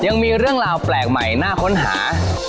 ยังมีเรื่องราวแปลกใหม่น่าค้นหา